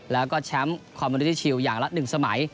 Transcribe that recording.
แล้วก็แชมป์คอมมินิชิลอย่างละ๑สมัย